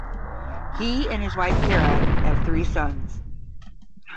He and his wife Kara have three sons.